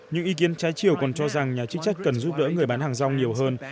những ý kiến trái chiều còn cho rằng nhà chức trách cần giúp đỡ người bán hàng rong nhiều hơn